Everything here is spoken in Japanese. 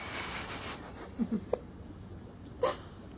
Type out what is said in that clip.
フフフ。